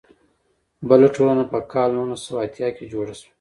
بله ټولنه په کال نولس سوه اتیا کې جوړه شوه.